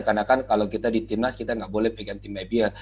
karena kan kalau kita di timnas kita nggak boleh pegang tim ibl